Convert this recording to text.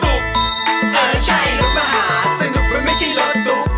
เออใช่รถมหาสนุกมันไม่ใช่รถตุ๊ก